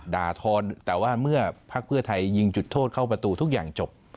ทอนแต่ว่าเมื่อพักเพื่อไทยยิงจุดโทษเข้าประตูทุกอย่างจบ